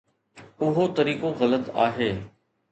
اهو طريقو غلط آهي.